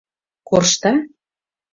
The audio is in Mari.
— Коршта?